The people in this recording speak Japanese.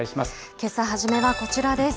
けさ、初めはこちらです。